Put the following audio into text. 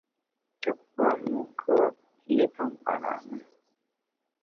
Tùt pua’ monkùe’, li pe nkpara’ mùn.